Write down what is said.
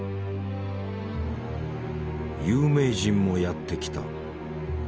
有名人もやって来た。